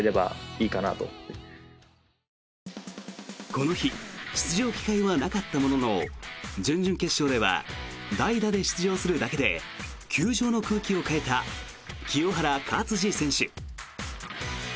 この日、出場機会はなかったものの準々決勝では代打で出場するだけで球場の空気を変えた清原勝児選手。